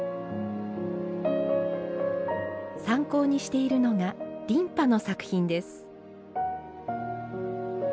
参考にしているのが琳派の作品です。